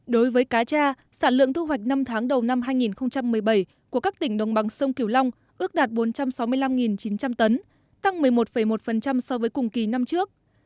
đối với cá tra sản lượng thu hoạch năm tháng đầu năm hai nghìn một mươi bảy của các tỉnh đồng bằng sông kiều long ước đạt bốn trăm sáu mươi năm chín trăm linh tấn tăng một mươi một một so với cùng kỳ năm trước